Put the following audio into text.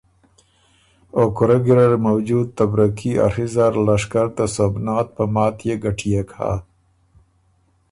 او کُورۀ ګیرډ موجود ته برکي ا ڒی زاره لشکر ته سومنات په ماتيې ګټيېک هۀ۔